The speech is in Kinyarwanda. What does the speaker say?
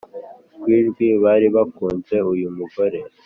kwijwi baribakunze uyu mugore